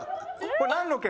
これ何の毛？